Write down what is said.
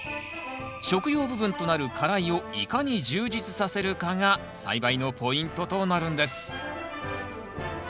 食用部分となる花蕾をいかに充実させるかが栽培のポイントとなるんです